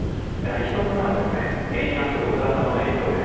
１つ目は円安ドル高の影響です。